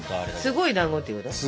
すごいだんごっていうこと？